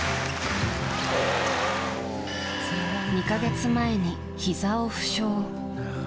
２か月前にひざを負傷。